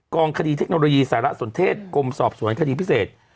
องคดีเทคโนโลยีสารสนเทศกรมสอบสวนคดีพิเศษ